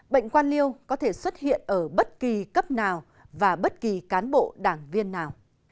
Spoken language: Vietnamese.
bệnh quan liêu có thể xuất hiện ở bất kỳ cấp nào và bất kỳ cán bộ đảng viên nào